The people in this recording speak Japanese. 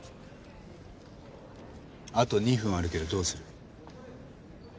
あと２分あるけどどうする？